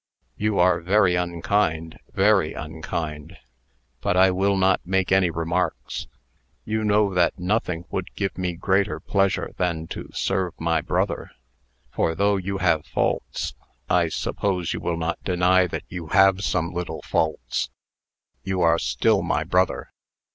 "You are very unkind very unkind. But I will not make any remarks. You know that nothing would give me greater pleasure than to serve my brother. For, though you have faults I suppose you will not deny that you have some little faults you are still my brother."